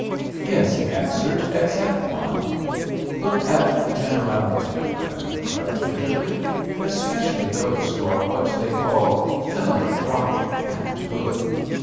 "Yes," he answered, "except one. Look at the generality of women," he cried bitterly; "especially those who are what they call philanthropic and good.